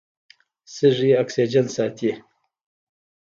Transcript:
سږي اکسیجن ساتي.